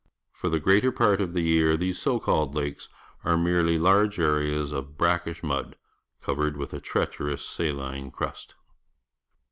For the greater part of the year these so called lakes are merely large areas of brackish mud, covered with a treacherous saline crust.